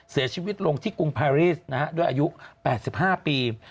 เสียชีวิตลงที่กรุงพารีสด้วยอายุ๘๕ปี